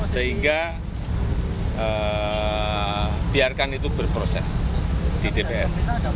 sehingga biarkan itu berproses di dpr